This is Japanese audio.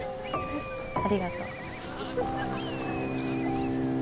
ありがと。